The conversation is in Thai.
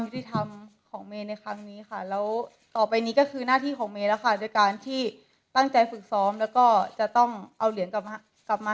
ที่ทำของเมย์ในครั้งนี้ค่ะแล้วต่อไปนี้ก็คือหน้าที่ของเมย์แล้วค่ะโดยการที่ตั้งใจฝึกซ้อมแล้วก็จะต้องเอาเหรียญกลับมากลับมา